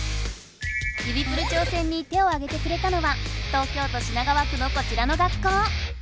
指プル挑戦に手をあげてくれたのは東京都品川区のこちらの学校。